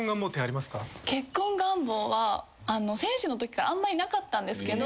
結婚願望は選手のときからあんまりなかったんですけど